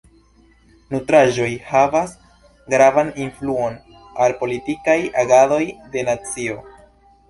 Nutraĵoj havas gravan influon al politikaj agadoj de nacio.